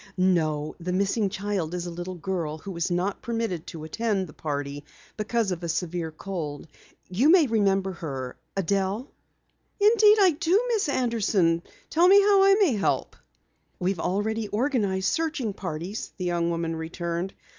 "No, the missing child is a little girl who was not permitted to attend the party because of a severe cold. You may remember her Adelle." "Indeed I do, Miss Anderson. Tell me how I may help." "We've already organized searching parties," the young woman returned.